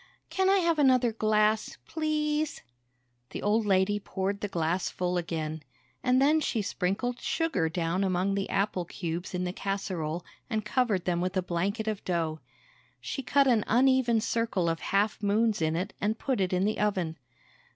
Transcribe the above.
"Can I have another glass? Please?" The old lady poured the glass full again. And then she sprinkled sugar down among the apple cubes in the casserole and covered them with a blanket of dough. She cut an uneven circle of half moons in it and put it in the oven.